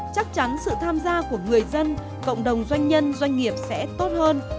chắc chắn sự tham gia của người dân cộng đồng doanh nhân doanh nghiệp sẽ tốt hơn